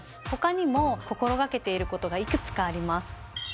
他にも心がけていることがいくつかあります。